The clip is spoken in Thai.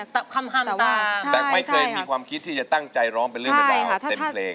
แต่ไม่เคยมีความคิดที่จะตั้งใจร้องเป็นเรื่องแบบเต็มเพลง